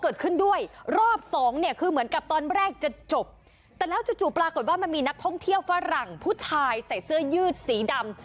เกิดขึ้นด้วยรอบสองเนี่ยคือเหมือนกับตอนแรกจะจบแต่แล้วจู่จู่ปรากฏว่ามันมีนักท่องเที่ยวฝรั่งผู้ชายใส่เสื้อยืดสีดำ